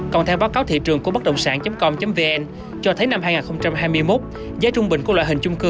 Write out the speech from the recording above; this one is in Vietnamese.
còn theo báo cáo thị trường của bất động sản com vn cho thấy năm hai nghìn hai mươi một giá trung bình của loại hình trung cư